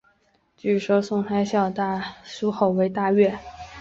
据说宋孝宗读该书后大悦。